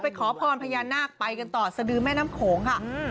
ขอพรพญานาคไปกันต่อสดือแม่น้ำโขงค่ะ